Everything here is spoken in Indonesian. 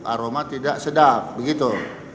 aroma tidak sedap begitu